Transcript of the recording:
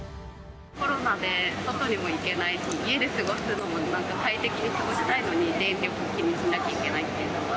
コロナで外にも行けないし、家で過ごすのもなんか快適に過ごしたいのに、電力、気にしなきゃいけないっていうのは。